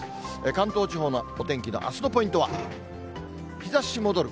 関東地方のお天気のあすのポイントは、日ざし戻る。